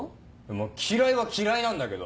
まぁ嫌いは嫌いなんだけど。